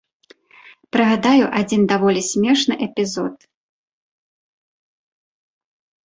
Прыгадаю адзін даволі смешны эпізод.